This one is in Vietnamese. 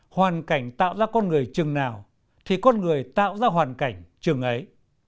hoàn cảnh tạo ra con người chừng nào thì con người tạo ra hoàn cảnh chừng ấy